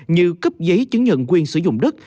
như cấp giấy chứng nhận quyền sử dụng đất